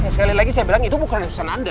sekali lagi saya bilang itu bukan urusan anda